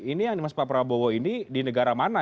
ini yang dimak pak prabowo ini di negara mana